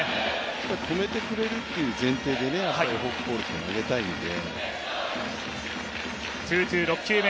止めてくれるっていう前提でフォークボールって投げたいんで。